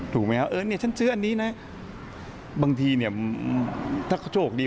ถูกไหมฉันซื้ออันนี้บางทีถ้าโชคดี